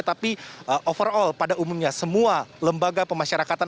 tapi overall pada umumnya semua lembaga pemasyarakatan